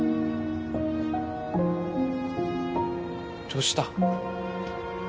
どうした？